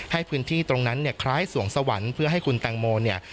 ให้พื้นที่ตรงนั้นเนี่ยคล้ายสวงสวรรค์เพื่อให้คุณแตงโมเนี่ย